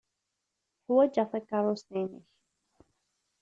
Ḥwajeɣ takeṛṛust-nnek.